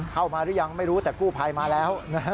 หรือยังไม่รู้แต่กู้ภัยมาแล้ว